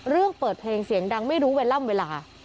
เรื่องเปิดเพลงเสียงดังไม่รู้เวลาล่ำเวลา